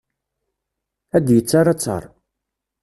Ad yettarra ttaṛ.